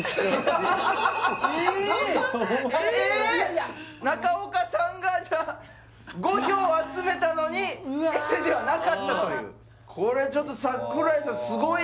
いやいや中岡さんがじゃあ５票集めたのにエセではなかったというこれちょっと櫻井さん